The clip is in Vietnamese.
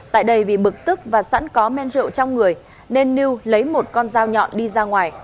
tại đây vì bực tức và sẵn có men rượu trong người nên lưu lấy một con dao nhọn đi ra ngoài